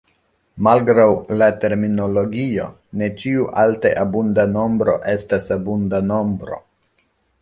Malgraŭ la terminologio, ne ĉiu alte abunda nombro estas abunda nombro.